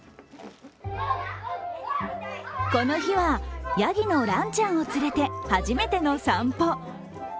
この日はやぎのらんちゃんを連れて初めての散歩。